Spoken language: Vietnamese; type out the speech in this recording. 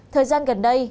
thời gian gần đây